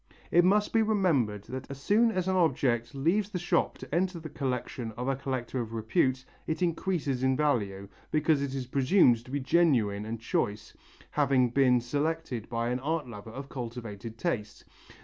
It must be remembered that as soon as an object leaves the shop to enter the collection of a collector of repute, it increases in value, because it is presumed to be genuine and choice, having been selected by an art lover of cultivated taste.